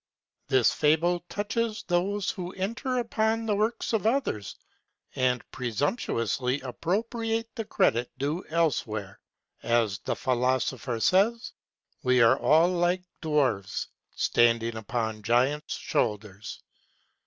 This fable touches those who enter upon the works of others and presumptuously appropriate the credit due else where. As the philosopher says, "We are all like dwarfs standing upon giants' shoulders."